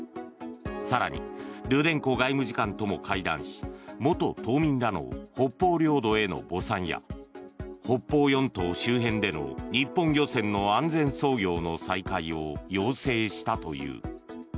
更に、ルデンコ外務次官とも会談し元島民らの北方領土への墓参や北方四島周辺での日本漁船の安全操業の再開を要請したという。